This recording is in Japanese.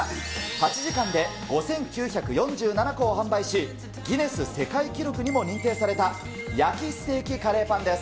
８時間で５９４７個を販売し、ギネス世界記録にも認定された、焼きステーキカレーパンです。